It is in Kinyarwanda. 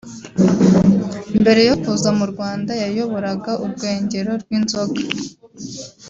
mbere yo kuza mu Rwanda yayoboraga urwengero rw’inzoga